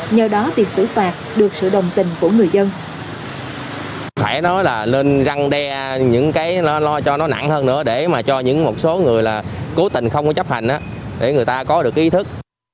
nhờ đó việc xử phạt được sự đồng tình của người dân